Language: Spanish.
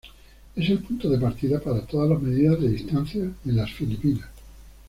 Es el punto de partida para todas las medidas de distancia en las Filipinas.